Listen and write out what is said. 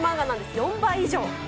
４倍以上。